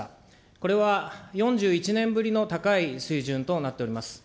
これは４１年ぶりの高い水準となっております。